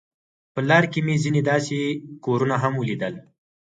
په لار کې مې ځینې داسې کورونه هم ولیدل.